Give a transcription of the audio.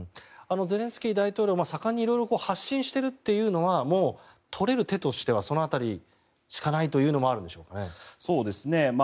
ゼレンスキー大統領盛んに色々発信しているというのはもう取れる手としてはその辺りしかないというのもあるんでしょうかね。